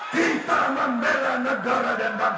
kita membela negara dan bangsa